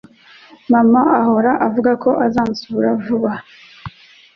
Mama ahora avuga ko azansura vuba